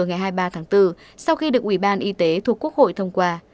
ngày hai mươi ba tháng bốn sau khi được ủy ban y tế thuộc quốc hội thông qua